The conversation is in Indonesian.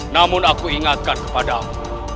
namun aku ingatkan kepadamu